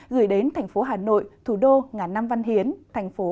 gửi đến thành phố hà nội thủ đô ngà nam văn hiến